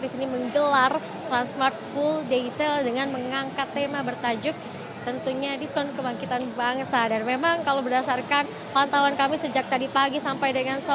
di sini menggelar transmart full day sale dengan mengangkat tema bertajuk tentunya diskon kebangkitan bangsa dan memang kalau berdasarkan pantauan kami sejak tadi pagi sampai dengan